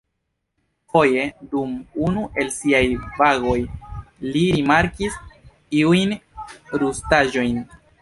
Foje, dum unu el siaj vagoj, li rimarkis iujn rustaĵojn.